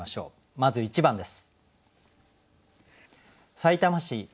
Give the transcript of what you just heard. まず１番です。